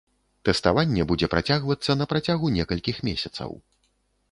Тэставанне будзе працягвацца на працягу некалькіх месяцаў.